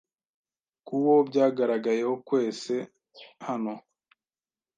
kuwo byaragayeho qwese hano